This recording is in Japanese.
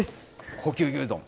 高級牛丼。